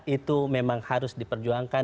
itu memang harus diperjuangkan